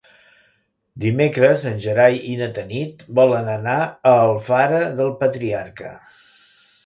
Dimecres en Gerai i na Tanit volen anar a Alfara del Patriarca.